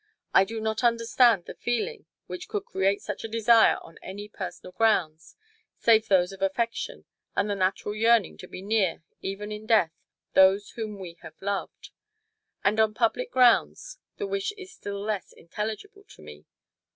I do not understand the feeling which could create such a desire on any personal grounds, save those of affection, and the natural yearning to be near, even in death, those whom we have loved. And on public grounds the wish is still less intelligible to me.